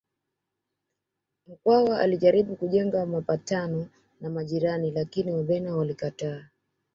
Mkwawa alijaribu kujenga mapatano na majirani lakini Wabena walikataa